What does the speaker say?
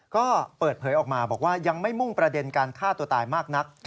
ก็เปิดเผยออกมาบอกว่ายังไม่มุ่งประเด็นการฆ่าตัวตายมากนัก